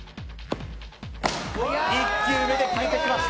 １球目で決めてきました。